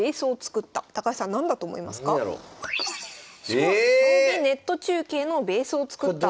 「将棋ネット中継のベースを作った」。